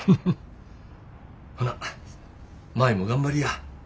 ほな舞も頑張りや。